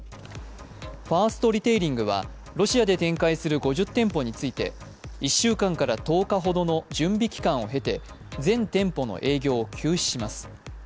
ファーストリテイリングはロシアで展開する５０店舗について１週間から１０日ほどの準備期間を経て全店舗の営業を休止します。